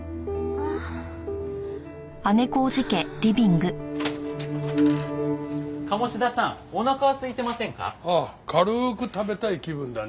ああ軽く食べたい気分だね。